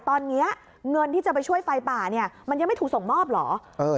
ตอนนี้เงินที่จะไปช่วยไฟป่าเนี่ยมันยังไม่ถูกส่งมอบเหรอ